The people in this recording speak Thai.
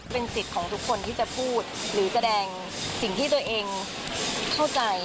เป็นสิทธิ์ของทุกคนที่จะพูดหรือแสดงสิ่งที่ตัวเองเข้าใจ